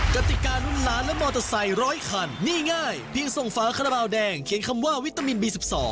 กติการุ้นล้านและมอเตอร์ไซค์๑๐๐คันนี่ง่ายเพียงส่งฝาคาราบาลแดงเขียนคำว่าวิตามินบี๑๒